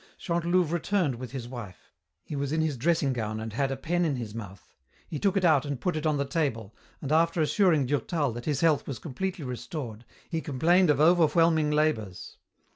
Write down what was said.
Chantelouve returned with his wife. He was in his dressing gown and had a pen in his mouth. He took it out and put it on the table, and after assuring Durtal that his health was completely restored, he complained of overwhelming labours.